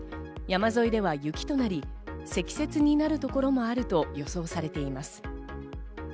山沿いでは雪となり、積雪になるところもあると予想されています。